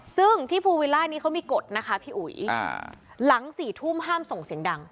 ซึ่งที่ภูวิลล่านี้เขามีกฎนะคะพี่อุ๋ยหลัง๔ทุ่มห้ามส่งเสียงดัง